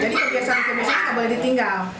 jadi kebiasaan kebiasaannya nggak boleh ditinggal